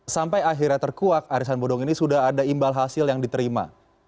sampai akhirnya terkuak arisan bodong ini sudah ada imbal hasil yang diterima